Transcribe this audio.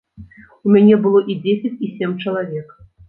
У мяне было і дзесяць і сем чалавек.